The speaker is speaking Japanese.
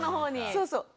そうそう。